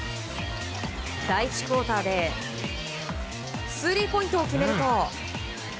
第１クオーターでスリーポイントを決めると。